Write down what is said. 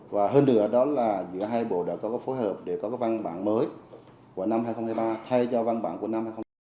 và hơn nữa đó là giữa hai bộ đã có phối hợp để có cái văn bản mới của năm hai nghìn hai mươi ba thay cho văn bản của năm hai nghìn hai mươi ba